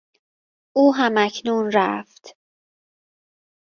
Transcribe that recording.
او هماکنون رفت.